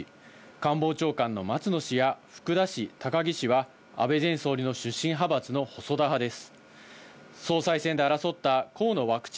官房長官の松野氏や福田氏、氏は安倍前総理の出身派閥の細田派です。